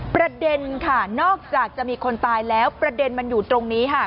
ประเด็นค่ะนอกจากจะมีคนตายแล้วประเด็นมันอยู่ตรงนี้ค่ะ